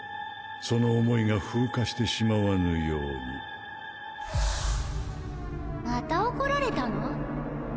その思いが風化してしまわぬようにまた怒られたの？